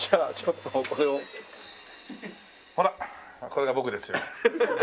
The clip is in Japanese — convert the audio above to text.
これが僕ですよ。